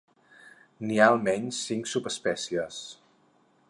N'hi ha almenys cinc subespècies.